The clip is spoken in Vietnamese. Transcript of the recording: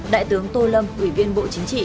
đại tướng tô lâm ủy viên bộ chính trị